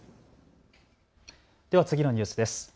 では次のニュースです。